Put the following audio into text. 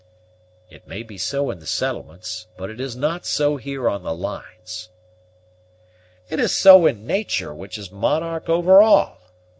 "It may be so in the settlements; but it is not so here on the lines." "It is so in nature, which is monarch over all.